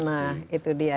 nah itu dia